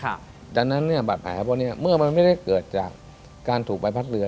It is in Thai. ขาดังนั้นเนี่ยบาดแผลพันเจ้าเมื่อไม่ได้เกิดจากการถูกภัยพันธ์เรือ